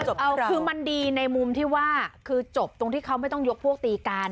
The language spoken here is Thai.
คือมันดีในมุมที่ว่าคือจบตรงที่เขาไม่ต้องยกพวกตีกัน